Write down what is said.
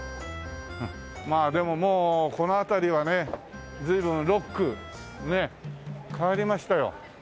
まあでももうこの辺りはね随分六区変わりましたよ。